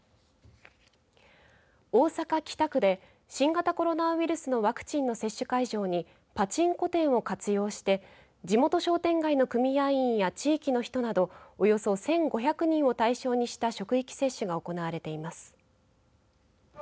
大阪、北区で新型コロナウイルスのワクチンの接種会場にパチンコ店を活用して地元商店街の組合員や地域の人などおよそ１５００人を対象にした職域接種が行われています。